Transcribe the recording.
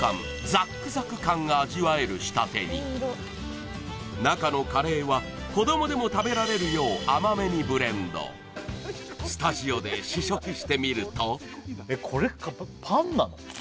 ザックザク感が味わえる仕立てに中のカレーは子供でも食べられるよう甘めにブレンドスタジオで試食してみるとこれパンなの？